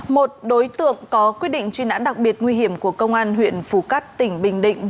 một đối tượng có quyết định truy nãn đặc biệt nguy hiểm của công an huyện phù cát tỉnh bình định